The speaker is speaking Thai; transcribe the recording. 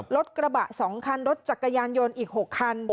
รถกระบะ๒คันรถจักรยานยนต์อีก๖คัน